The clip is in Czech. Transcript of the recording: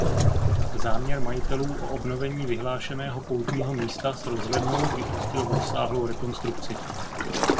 Záměr majitelů o obnovení vyhlášeného poutního místa s rozhlednou vyústil v rozsáhlou rekonstrukci.